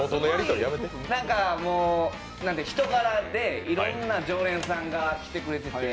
人柄でいろんな常連さんが来てくれてて。